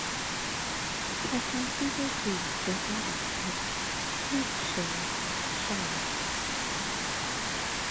تجلی زودگذری از هوش سرشار